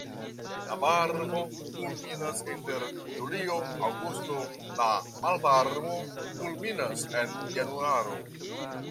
La varmo kulminas inter julio-aŭgusto, la malvarmo kulminas en januaro.